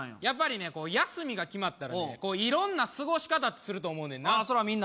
やっぱりね休みが決まったらね色んなすごし方すると思うねんなそら